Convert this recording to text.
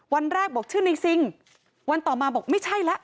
วันแรกบอกชื่อในซิงวันต่อมาบอกไม่ใช่แล้ว